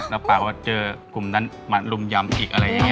รับปากว่าเจอกลุ่มนั้นมารุมยำอีกอะไรอย่างนี้